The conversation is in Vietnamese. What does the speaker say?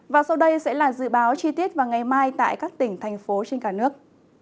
và sau đây sẽ là dự báo chi tiết vào ngày mai tại các tỉnh thành phố trên cả nước